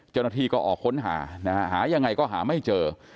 เจ้าหน้าที่ก็ออกค้นหานะฮะหายังไงก็หาไม่เจอ